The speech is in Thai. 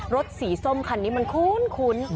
รถสีส้มคันนี้มันคุ้น